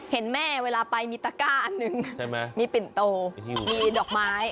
เห็นแม่เวลาไปมีตะก้าอันหนึ่งใช่ไหมมีปิ่นโตมีดอกไม้